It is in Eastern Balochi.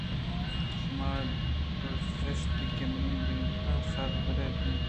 شُما دزّ اِشت کہ منی بیٛنگ اِش بُرت اَنت